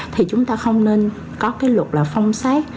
thì chúng ta không nên có cái luật là phong sát